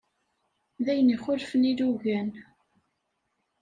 D ayen ixulfen ilugan.